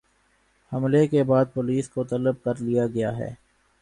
حملے کے بعد پولیس کو طلب کر لیا گیا ہے